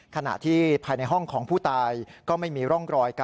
ขณะที่ภายในห้องของผู้ตายก็ไม่มีร่องรอยการ